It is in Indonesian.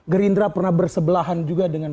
gerindra pernah bersebelahan juga dengan